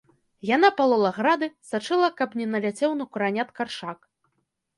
Яна палола грады, сачыла каб не наляцеў на куранят каршак.